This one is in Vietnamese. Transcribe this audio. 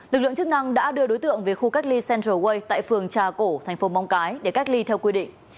lực lượng chức năng đã đưa đối tượng về khu cách ly central way tại phường trà cổ tp mong cái để cách ly theo quy định